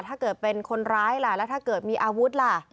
ถ้าเกิดเป็นคนร้ายล่ะแล้วถ้าเกิดมีอาวุธล่ะ